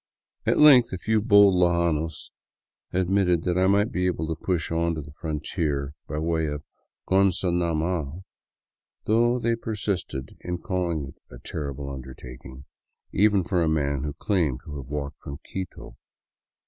At length a few bold lojanos admitted that I might be able to push on to the frontier by way of Gonzanama, though they persisted in call ing it a " terrible undertaking," even for a man who claimed to have walked from Quito.